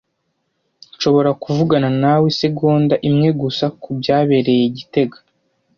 Nshobora kuvugana nawe isegonda imwe gusa kubyabereye i gitega?